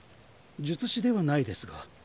術師ではないですが。